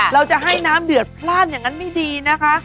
เราจะให้น้ำเดือดพลาดอย่างนั้นไม่ดีนะคะ